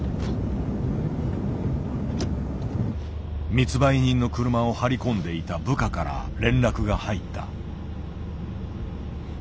密売人の車を張り込んでいた部下から連絡が入った。